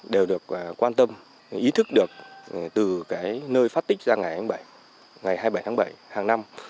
đều được quan tâm ý thức được từ cái nơi phát tích ra ngày hai mươi bảy tháng bảy hàng năm